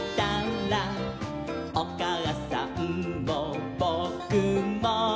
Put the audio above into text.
「おかあさんもぼくも」